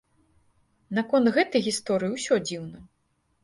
Наконт гэтай гісторыі ўсё дзіўна.